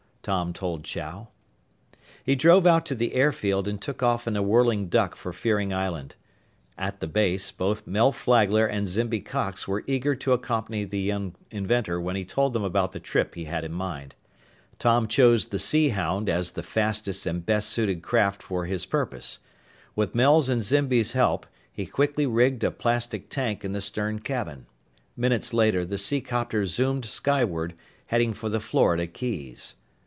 Tom told Chow. He drove out to the airfield and took off in a Whirling Duck for Fearing Island. At the base, both Mel Flagler and Zimby Cox were eager to accompany the young inventor when he told them about the trip he had in mind. Tom chose the Sea Hound as the fastest and best suited craft for his purpose. With Mel's and Zimby's help, he quickly rigged a plastic "tank" in the stern cabin. Minutes later, the seacopter zoomed skyward, heading for the Florida Keys.